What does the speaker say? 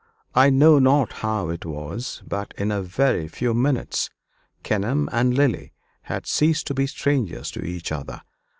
I know not how it was, but in a very few minutes Kenelm and Lily had ceased to be strangers to each other.